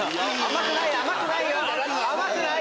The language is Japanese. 甘くない！